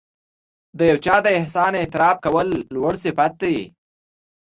د یو چا د احسان اعتراف کول لوړ صفت دی.